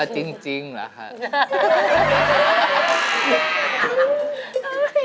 จริงเหรอครับ